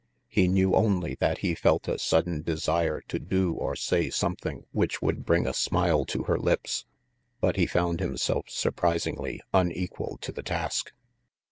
He knew only that he felt a sudden desire to do or say something which would bring a smile to her lips; but he found himself sur prisingly unequal to the task.